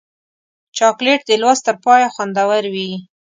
چاکلېټ د لوست تر پایه خوندور وي.